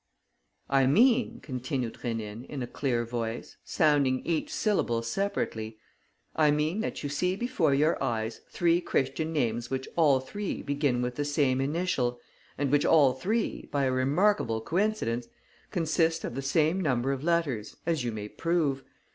"I mean," continued Rénine, in a clear voice, sounding each syllable separately, "I mean that you see before your eyes three Christian names which all three begin with the same initial and which all three, by a remarkable coincidence, consist of the same number of letters, as you may prove.